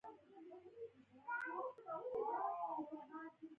ازادي راډیو د حیوان ساتنه د تحول لړۍ تعقیب کړې.